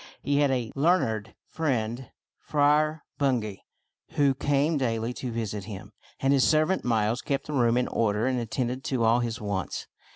He had a learned friend, Friar Bungay, who came daily to visit him ; and his servant Miles kept the room in order and attended to all his wants.